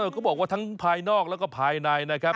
ก็บอกว่าทั้งภายนอกและภายในนะครับ